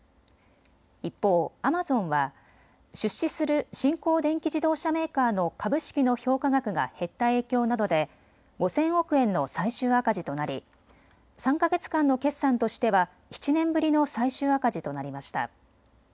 一方、アマゾンは出資する新興電気自動車メーカーの株式の評価額が減った影響などで５０００億円の最終赤字となり３か月間の決算としては７年ぶりの最終赤字となりました。